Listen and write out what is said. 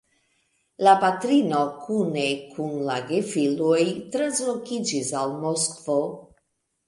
La patrino kune kun la gefiloj translokiĝis al Moskvo.